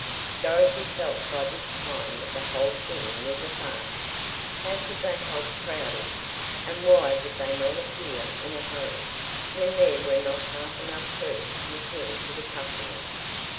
Dorothy felt by this time that the whole thing was a farce. How could they help crowding? And why would they not appear in a hurry, when there were not half enough clerks to attend to the customers?